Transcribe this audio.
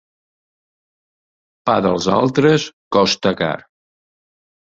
Pa dels altres costa car.